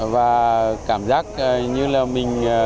và cảm giác như là mình